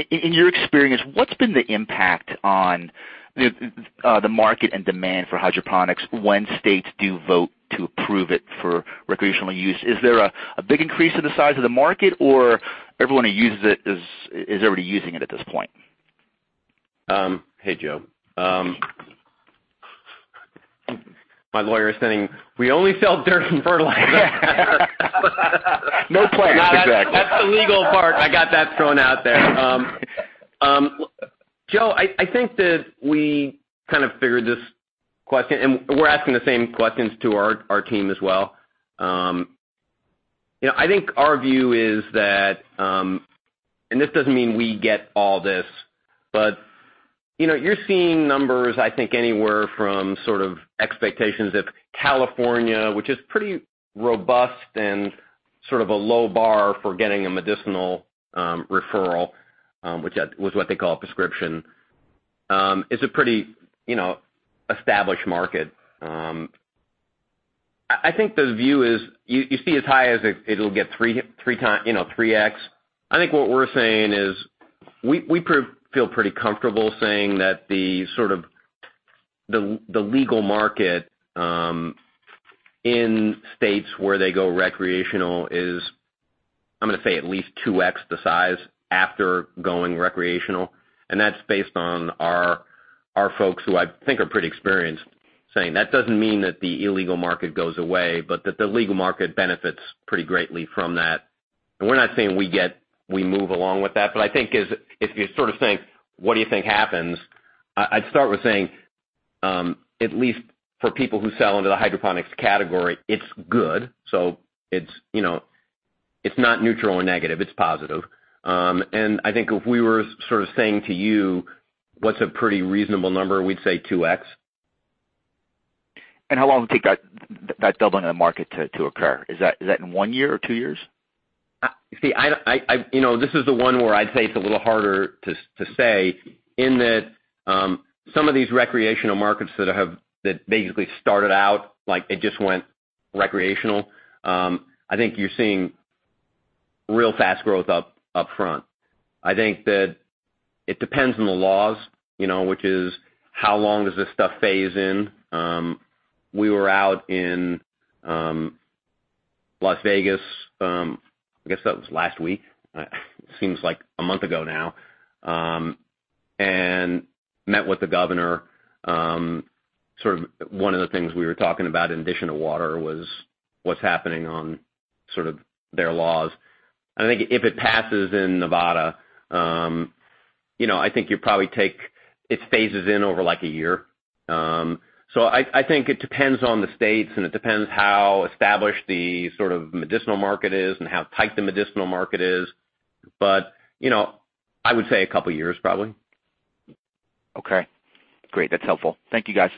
In your experience, what's been the impact on the market and demand for hydroponics when states do vote to approve it for recreational use? Is there a big increase to the size of the market or everyone who uses it is already using it at this point? Hey, Joe. My lawyer is saying, "We only sell dirt and fertilizer. No plants. Exactly. That's the legal part. I got that thrown out there. Joe, I think that we kind of figured this question, and we're asking the same questions to our team as well. I think our view is that, and this doesn't mean we get all this, but you're seeing numbers, I think anywhere from sort of expectations of California, which is pretty robust and sort of a low bar for getting a medicinal referral, which was what they call a prescription. It's a pretty established market. I think the view is you see as high as it'll get 3x. I think what we're saying is we feel pretty comfortable saying that the sort of the legal market in states where they go recreational is, I'm going to say at least 2x the size after going recreational, and that's based on our folks who I think are pretty experienced saying that doesn't mean that the illegal market goes away, but that the legal market benefits pretty greatly from that. We're not saying we move along with that. I think if you sort of think, what do you think happens? I'd start with saying at least for people who sell into the hydroponics category, it's good. It's not neutral or negative, it's positive. I think if we were sort of saying to you, what's a pretty reasonable number, we'd say 2x. how long will it take that doubling of the market to occur? Is that in one year or two years? this is the one where I'd say it's a little harder to say in that some of these recreational markets that basically started out, like it just went recreational. I think you're seeing real fast growth up front. I think that it depends on the laws, which is how long does this stuff phase in? We were out in Las Vegas, I guess that was last week. It seems like a month ago now, and met with the governor. Sort of one of the things we were talking about in addition to water was what's happening on sort of their laws. I think if it passes in Nevada, I think it phases in over like a year. I think it depends on the states, and it depends how established the sort of medicinal market is and how tight the medicinal market is. I would say a couple of years, probably. great. That's helpful. Thank you guys.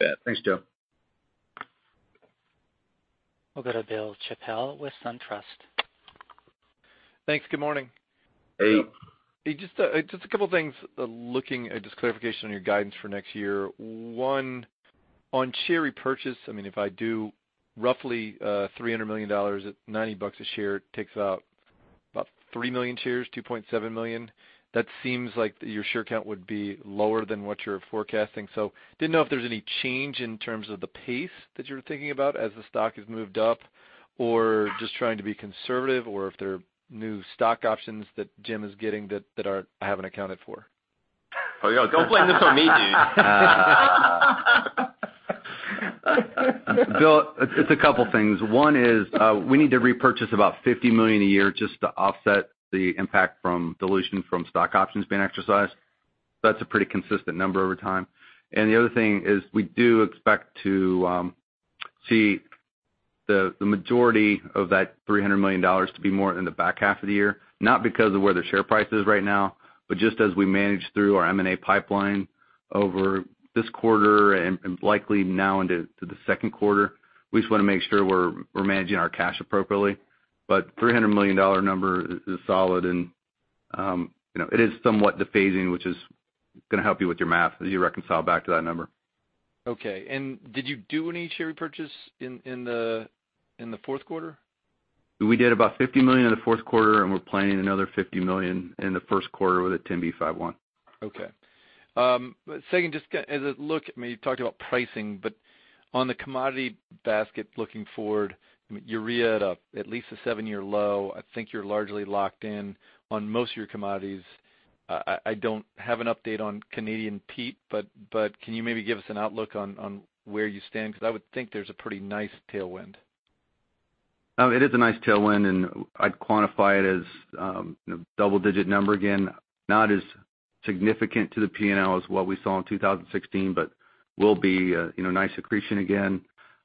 Yeah. Thanks, Joe. We'll go to Bill Chappell with SunTrust. Thanks. Good morning. Hey. Hey, just a couple things. Just clarification on your guidance for next year. One, on share repurchase, if I do roughly $300 million at $90 a share, it takes out about 3 million shares, 2.7 million. That seems like your share count would be lower than what you're forecasting. Didn't know if there's any change in terms of the pace that you were thinking about as the stock has moved up or just trying to be conservative or if there are new stock options that Jim is getting that I haven't accounted for. Oh, yeah. Don't blame this on me, dude. Bill, it's a couple things. One is we need to repurchase about $50 million a year just to offset the impact from dilution from stock options being exercised. That's a pretty consistent number over time. The other thing is we do expect to see the majority of that $300 million to be more in the back half of the year, not because of where the share price is right now, but just as we manage through our M&A pipeline over this quarter and likely now into the second quarter. We just want to make sure we're managing our cash appropriately. $300 million number is solid and it is somewhat dephasing, which is going to help you with your math as you reconcile back to that number. Okay, did you do any share repurchase in the fourth quarter? We did about $50 million in the fourth quarter. We're planning another $50 million in the first quarter with a 10b5-1. Okay. Second, you talked about pricing, but on the commodity basket looking forward, urea at at least a seven-year low. I think you're largely locked in on most of your commodities. I don't have an update on Canadian peat, but can you maybe give us an outlook on where you stand? I would think there's a pretty nice tailwind. It is a nice tailwind, I'd quantify it as double-digit number again, not as significant to the P&L as what we saw in 2016, but will be a nice accretion again.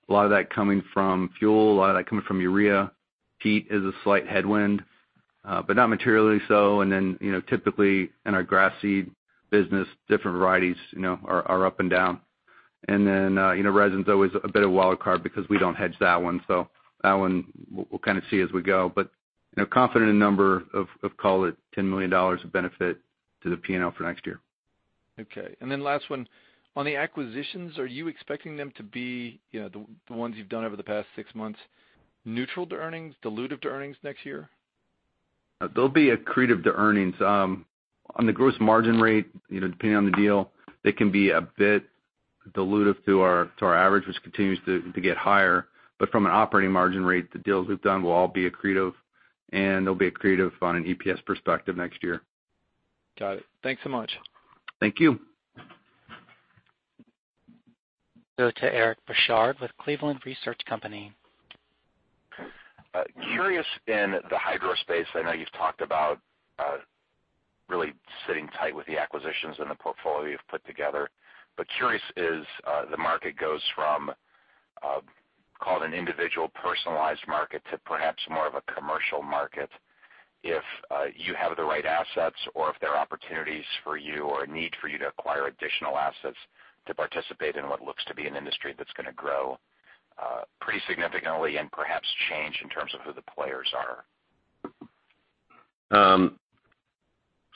A lot of that coming from fuel, a lot of that coming from urea. Peat is a slight headwind, but not materially so. Typically in our grass seed business, different varieties are up and down. Resin's always a bit of a wild card because we don't hedge that one. That one, we'll kind of see as we go, but confident in number of call it $10 million of benefit to the P&L for next year. Okay. Last one. On the acquisitions, are you expecting them to be, the ones you've done over the past six months, neutral to earnings, dilutive to earnings next year? They'll be accretive to earnings. On the gross margin rate depending on the deal, they can be a bit dilutive to our average, which continues to get higher. From an operating margin rate, the deals we've done will all be accretive, and they'll be accretive on an EPS perspective next year. Got it. Thanks so much. Thank you. Go to Eric Bosshard with Cleveland Research Company. Curious in the hydro space, I know you've talked about really sitting tight with the acquisitions and the portfolio you've put together. Curious is the market goes from call it an individual personalized market to perhaps more of a commercial market. If you have the right assets or if there are opportunities for you or a need for you to acquire additional assets to participate in what looks to be an industry that's going to grow pretty significantly and perhaps change in terms of who the players are.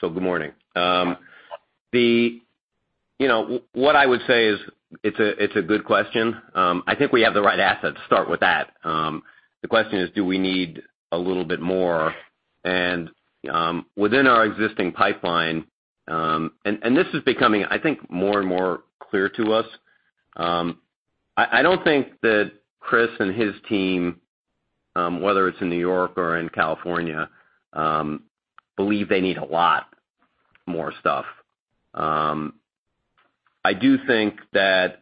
Good morning. What I would say is it's a good question. I think we have the right assets, start with that. The question is, do we need a little bit more? Within our existing pipeline, and this is becoming, I think, more and more clear to us. I don't think that Chris and his team, whether it's in New York or in California, believe they need a lot more stuff. I do think that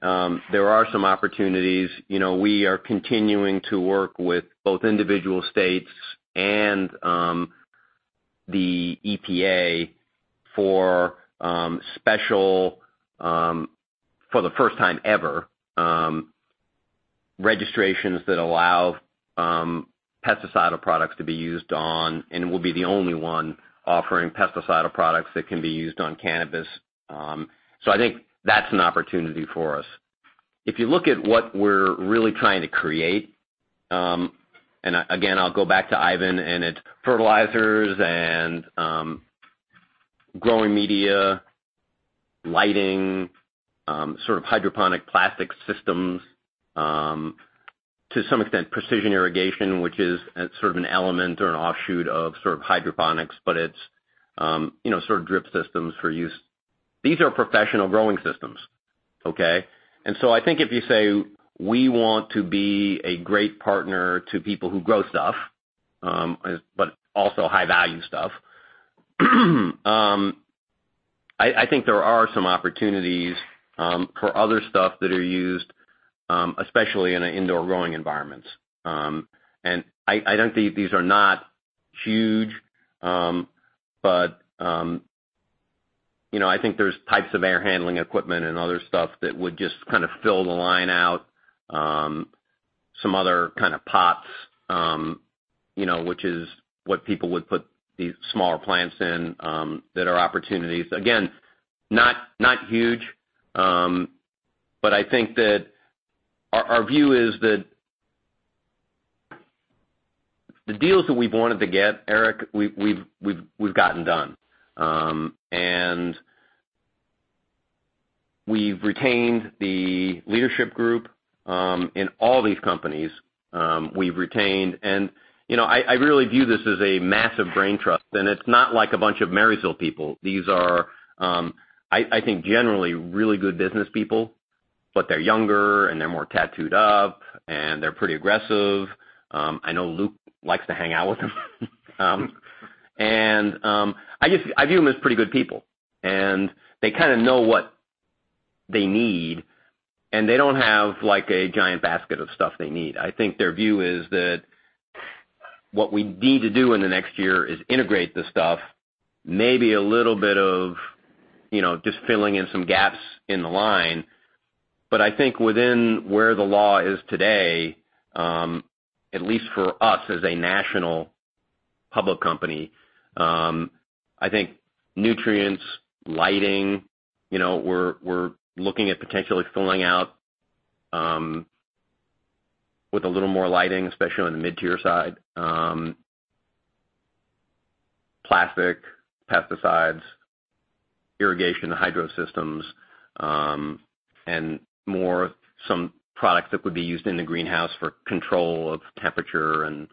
there are some opportunities. We are continuing to work with both individual states and the EPA for special, for the first time ever, registrations that allow pesticidal products to be used on, and will be the only one offering pesticidal products that can be used on cannabis. I think that's an opportunity for us. If you look at what we're really trying to create, again, I'll go back to Ivan and its fertilizers and growing media, lighting, sort of hydroponic plastic systems, to some extent, precision irrigation, which is sort of an element or an offshoot of sort of hydroponics, but it's sort of drip systems for use. These are professional growing systems. Okay? I think if you say we want to be a great partner to people who grow stuff, but also high-value stuff, I think there are some opportunities for other stuff that are used, especially in an indoor growing environments. I don't think these are not huge, but I think there's types of air handling equipment and other stuff that would just kind of fill the line out, some other kind of pots, which is what people would put these smaller plants in, that are opportunities. Again, not huge, but I think that our view is that the deals that we've wanted to get, Eric, we've gotten done. We've retained the leadership group in all these companies. We've retained, I really view this as a massive brain trust, it's not like a bunch of Marysville people. These are, I think, generally, really good business people, but they're younger and they're more tattooed up, and they're pretty aggressive. I know Luke likes to hang out with them. I view them as pretty good people, and they kind of know what they need, and they don't have a giant basket of stuff they need. I think their view is that what we need to do in the next year is integrate this stuff, maybe a little bit of just filling in some gaps in the line. I think within where the law is today, at least for us as a national public company, I think nutrients, lighting, we're looking at potentially filling out with a little more lighting, especially on the mid-tier side. Plastic, pesticides, irrigation, hydro systems, some products that would be used in the greenhouse for control of temperature and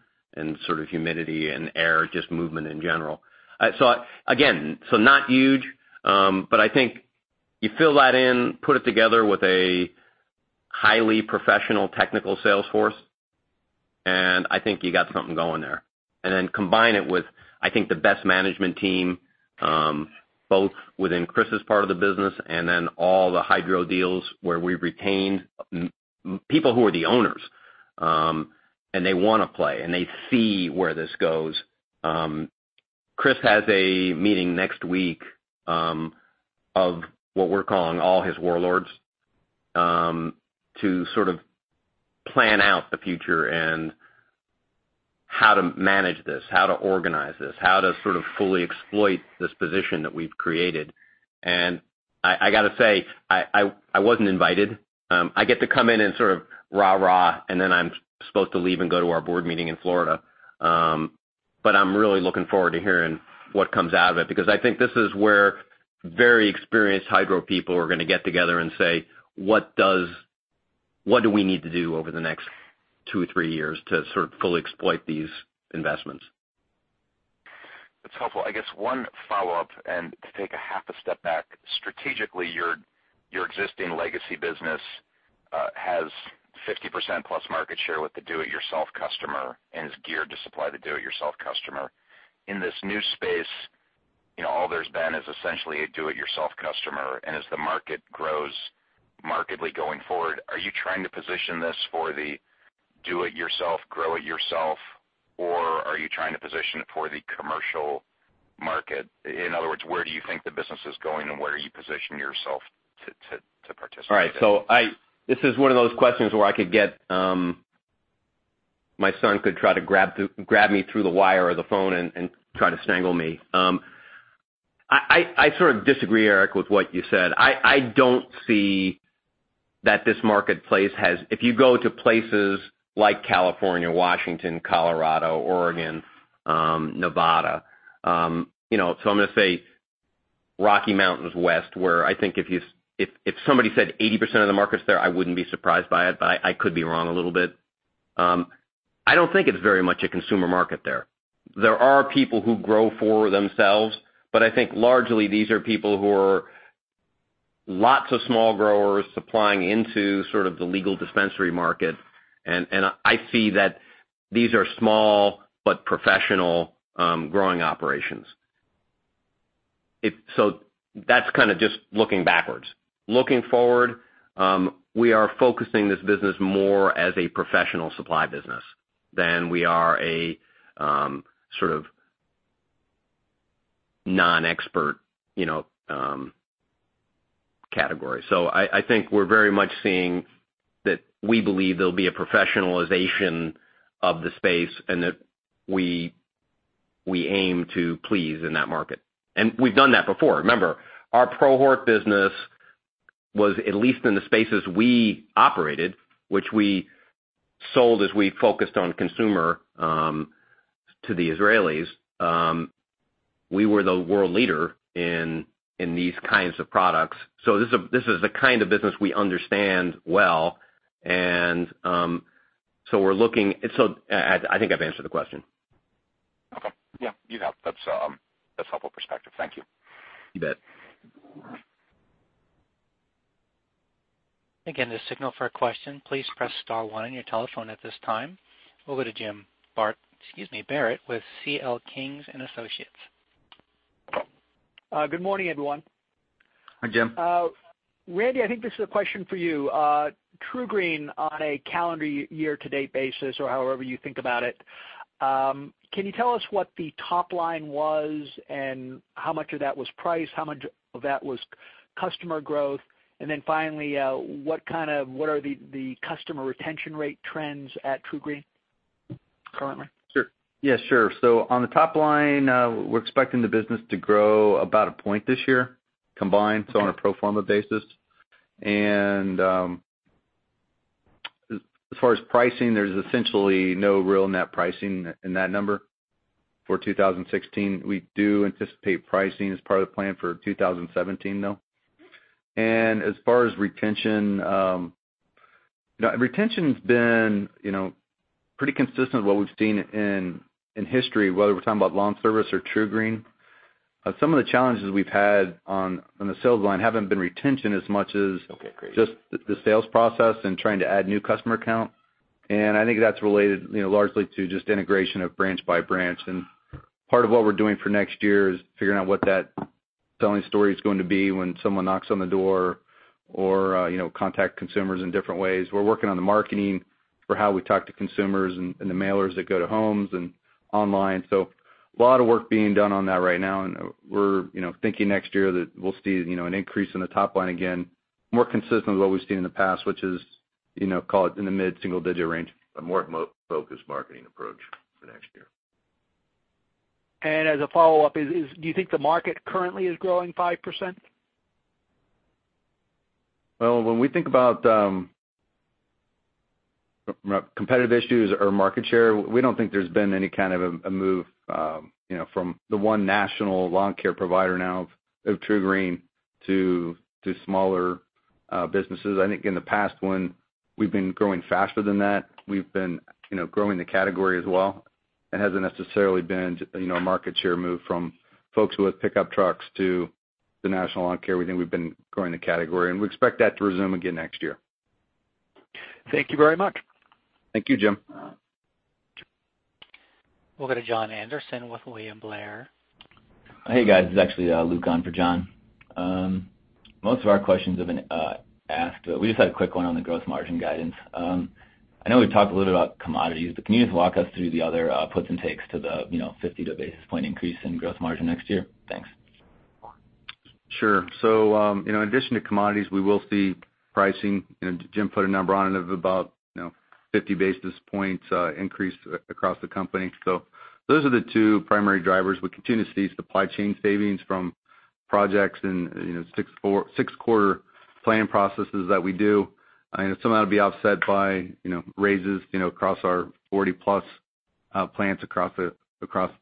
sort of humidity and air, just movement in general. Again, not huge, but I think you fill that in, put it together with a highly professional technical sales force, I think you got something going there. Combine it with, I think, the best management team, both within Chris's part of the business and then all the hydro deals where we've retained people who are the owners, they want to play, they see where this goes. Chris has a meeting next week of what we're calling all his warlords, to sort of plan out the future and how to manage this, how to organize this, how to sort of fully exploit this position that we've created. I got to say, I wasn't invited. I get to come in and sort of rah-rah, I'm supposed to leave and go to our board meeting in Florida. I'm really looking forward to hearing what comes out of it, because I think this is where very experienced hydro people are going to get together and say, "What do we need to do over the next two, three years to sort of fully exploit these investments? That's helpful. To take a half a step back, strategically, your existing legacy business has 50% plus market share with the do-it-yourself customer and is geared to supply the do-it-yourself customer. In this new space, all there's been is essentially a do-it-yourself customer. As the market grows markedly going forward, are you trying to position this for the do-it-yourself, grow-it-yourself, or are you trying to position it for the commercial market? In other words, where do you think the business is going, and where are you positioning yourself to participate? All right. This is one of those questions where I could get my son could try to grab me through the wire or the phone and try to strangle me. I sort of disagree, Eric, with what you said. I don't see that this marketplace has If you go to places like California, Washington, Colorado, Oregon, Nevada, so I'm going to say Rocky Mountains west, where I think if somebody said 80% of the market's there, I wouldn't be surprised by it, but I could be wrong a little bit. I don't think it's very much a consumer market there. There are people who grow for themselves, but I think largely these are people who are lots of small growers supplying into sort of the legal dispensary market, and I see that these are small but professional growing operations. That's kind of just looking backwards. Looking forward, we are focusing this business more as a professional supply business than we are a sort of non-expert category. I think we're very much seeing that we believe there'll be a professionalization of the space and that we aim to please in that market. We've done that before. Remember, our ProHort business was, at least in the spaces we operated, which we sold as we focused on consumer to the Israelis, we were the world leader in these kinds of products. This is the kind of business we understand well, I think I've answered the question. Okay. Yeah, you have. That's a helpful perspective. Thank you. You bet. Again, to signal for a question, please press star one on your telephone at this time. Over to Jim Barrett with CL King & Associates. Good morning, everyone. Hi, Jim. Randy, I think this is a question for you. TruGreen on a calendar year-to-date basis, or however you think about it, can you tell us what the top line was and how much of that was price? How much of that was customer growth? And then finally, what are the customer retention rate trends at TruGreen currently? Sure. Yeah, sure. On the top line, we're expecting the business to grow about 1 point this year combined, so on a pro forma basis. As far as pricing, there's essentially no real net pricing in that number for 2016. We do anticipate pricing as part of the plan for 2017, though. As far as retention's been pretty consistent to what we've seen in history, whether we're talking about lawn service or TruGreen. Some of the challenges we've had on the sales line haven't been retention as much as. Okay, great. Just the sales process and trying to add new customer count. I think that's related largely to just integration of branch by branch. Part of what we're doing for next year is figuring out what that telling story is going to be when someone knocks on the door or contact consumers in different ways. We're working on the marketing for how we talk to consumers and the mailers that go to homes and online. A lot of work being done on that right now, and we're thinking next year that we'll see an increase in the top line again, more consistent with what we've seen in the past, which is call it in the mid-single digit range. A more focused marketing approach for next year. As a follow-up, do you think the market currently is growing 5%? Well, when we think about competitive issues or market share, we don't think there's been any kind of a move from the one national lawn care provider now of TruGreen to smaller businesses. I think in the past, when we've been growing faster than that, we've been growing the category as well. It hasn't necessarily been a market share move from folks with pickup trucks to the national lawn care. We think we've been growing the category, and we expect that to resume again next year. Thank you very much. Thank you, Jim. We'll go to Jon Andersen with William Blair. Hey, guys. This is actually Luke on for Jon. Most of our questions have been asked, but we just had a quick one on the gross margin guidance. I know we've talked a little about commodities, but can you just walk us through the other puts and takes to the 50 to basis point increase in gross margin next year? Thanks. Sure. In addition to commodities, we will see pricing, and Jim put a number on it, of about 50 basis points increase across the company. Those are the two primary drivers. We continue to see supply chain savings from projects and six-quarter planning processes that we do. Some of that'll be offset by raises across our 40-plus plants across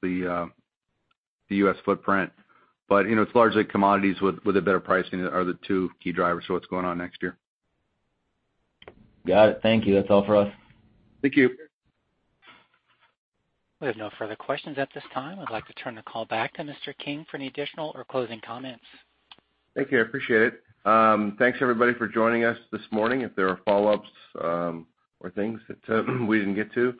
the U.S. footprint. It's largely commodities with a better pricing are the two key drivers for what's going on next year. Got it. Thank you. That's all for us. Thank you. We have no further questions at this time. I'd like to turn the call back to Mr. King for any additional or closing comments. Thank you. I appreciate it. Thanks everybody for joining us this morning. If there are follow-ups or things that we didn't get to,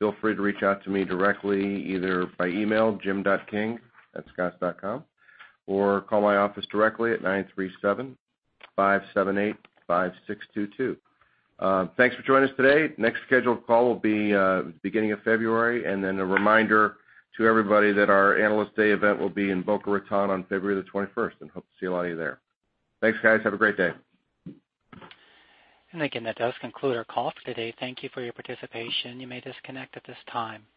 feel free to reach out to me directly, either by email, jim.king@scotts.com, or call my office directly at (937) 578-5622. Thanks for joining us today. Next scheduled call will be the beginning of February, and then a reminder to everybody that our Analyst Day event will be in Boca Raton on February the 21st, and hope to see a lot of you there. Thanks, guys. Have a great day. Again, that does conclude our call for today. Thank you for your participation. You may disconnect at this time.